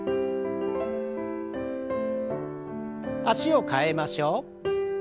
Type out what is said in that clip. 脚を替えましょう。